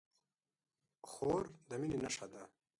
خور د مینې نښه ده.